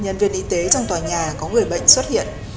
nhân viên y tế trong tòa nhà có người bệnh xuất hiện